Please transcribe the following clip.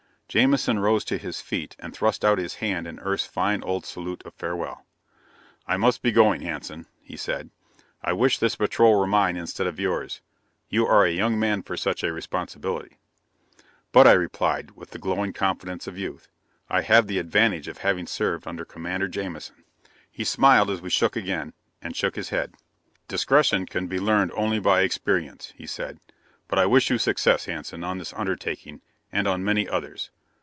Jamison rose to his feet and thrust out his hand in Earth's fine old salute of farewell. "I must be going, Hanson," he said. "I wish this patrol were mine instead of yours. You are a young man for such a responsibility." "But," I replied, with the glowing confidence of youth, "I have the advantage of having served under Commander Jamison!" He smiled as we shook again, and shook his head. "Discretion can be learned only by experience," he said. "But I wish you success, Hanson; on this undertaking, and on many others.